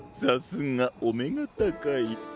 さすがおめがたかい。